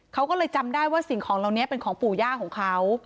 เขาก็เลยจำได้ว่าสิ่งของเหล่านี้เป็นของปู่ย่าของเขา